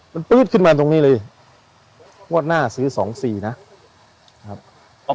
มันปื๊ดขึ้นมาตรงนี้เลยงวดหน้าซื้อสองสี่นะครับ